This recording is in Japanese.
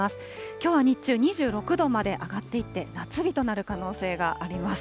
きょうは日中２６度まで上がっていって、夏日となる可能性があります。